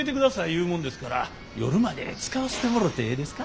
言うもんですから夜まで使わせてもろてええですか？